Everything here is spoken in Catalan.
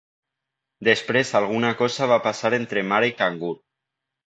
Després alguna cosa va passar entre mare i cangur.